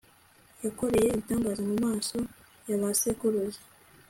yakoreye ibitangaza mu maso ya ba sekuruza